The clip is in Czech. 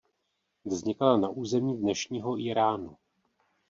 Vznikala na území dnešního Íránu.